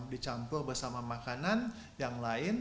dicampur bersama makanan yang lain